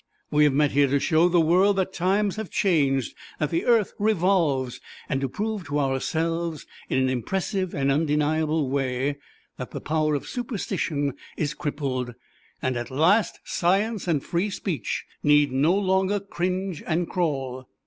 We have met here to show the world that times have changed, that the earth revolves, and to prove to ourselves in an impressive and undeniable way that the power of superstition is crippled, and at last Science and Free Speech need no longer cringe and crawl.